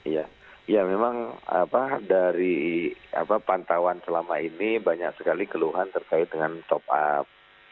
ya ya memang dari pantauan selama ini banyak sekali keluhan terkait dengan top up